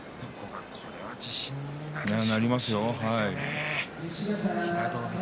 これは自信になりますね。